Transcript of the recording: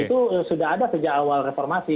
itu sudah ada sejak awal reformasi